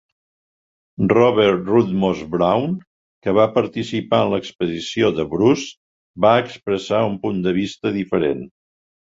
Robert Rudmose-Brown, que va participar en l'expedició de Bruce, va expressar un punt de vista diferent.